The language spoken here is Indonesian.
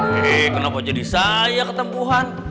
hei kenapa jadi saya ketempuhan